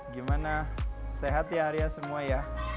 gimana sehat ya arya semua ya